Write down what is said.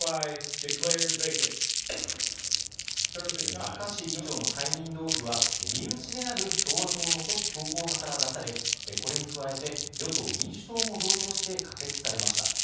マッカーシー議長の解任動議は身内である共和党の保守強硬派から出され、これに加えて与党・民主党も同調して可決されました。